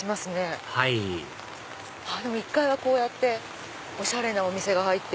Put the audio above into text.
はい１階はこうやっておしゃれなお店が入ってる。